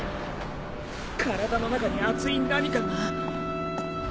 体の中に熱い何かが。